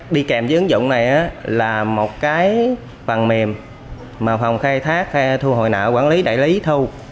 đi kèm với ứng dụng này là một cái phần mềm mà phòng khai thác hay thu hồi nợ quản lý đại lý thu